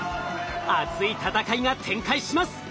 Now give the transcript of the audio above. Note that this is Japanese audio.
熱い戦いが展開します。